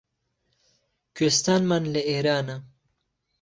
کوێستانمان لە ئێرانە